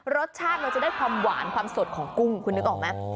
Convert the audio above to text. รสชาติมันจะได้ความหวานความสดของกุ้งคุณนึกออกไหม